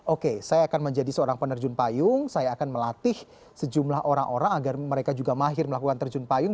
oke saya akan menjadi seorang penerjun payung saya akan melatih sejumlah orang orang agar mereka juga mahir melakukan terjun payung